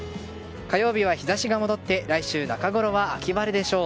火曜日は日差しが戻って来週中ごろは秋晴れでしょう。